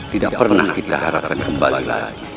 tidak pernah kita harapkan kembali lagi